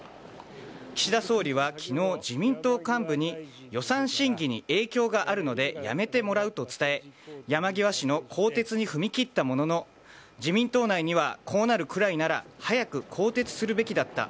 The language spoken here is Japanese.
岸田総理はきのう、自民党幹部に予算審議に影響があるので辞めてもらうと伝え、山際氏の更迭に踏み切ったものの、自民党内にはこうなるくらいなら早く更迭するべきだった。